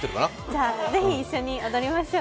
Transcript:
じゃあ、ぜひ、一緒に踊りましょう。